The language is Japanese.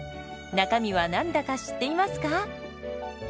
中身は何だか知っていますか？